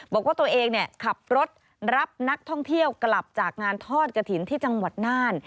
บอกว่าตัวเองขับรถรับนักท่องเที่ยวกลับจากงานทอดกระถิ่นที่จังหวัดน่าน